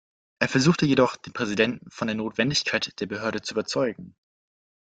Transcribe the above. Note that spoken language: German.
Er versuchte jedoch, den Präsidenten von der Notwendigkeit der Behörde zu überzeugen.